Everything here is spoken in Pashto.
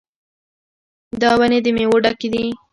دا ونې د میوو ډکې دي.